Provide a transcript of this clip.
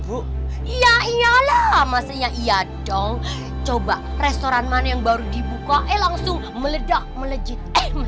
bu iya iyalah maksudnya iya dong coba restoran mana yang baru dibuka eh langsung meledak melejit eh